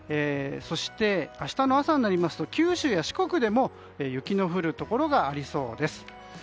そして、明日の朝になりますと九州や四国でも雪の降るところがありそうです。